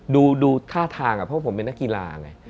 ดูท่าทางเพราะผมเป็นนักกีฬาไง